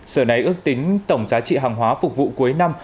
sở này ước tính tổng giá trị hàng hóa phục vụ cuối năm